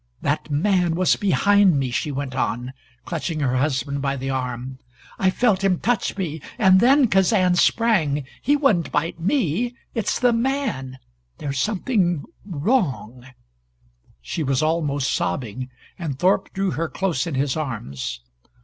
"That man was behind me," she went on, clutching her husband by the arm. "I felt him touch me and then Kazan sprang. He wouldn't bite me. It's the man! There's something wrong " She was almost sobbing, and Thorpe drew her close in his arms.